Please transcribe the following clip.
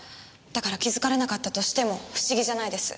だから気づかれなかったとしても不思議じゃないです。